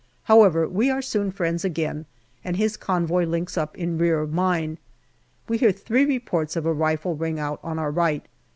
However, we are soon friends again, and his convoy links up in rear of mine. We hear three reports of a rifle ring out on our right.